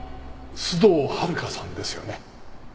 須藤温香さんですよね？